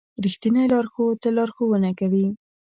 رښتینی لارښود تل لارښوونه کوي.